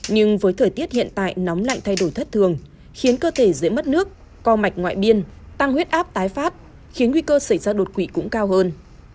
nhưng với thời tiết hiện tại nóng lạnh thay đổi thất thường khiến cơ thể dễ mất nước co mạch ngoại biên tăng huyết áp tái phát khiến nguy cơ xảy ra đột quỵ cũng cao hơn